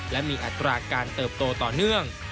และมีอัตราการเติบโตต่อเนื่อง